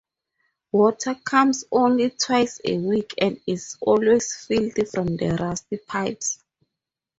Water comes only twice a week and is always filthy from the rusty pipes.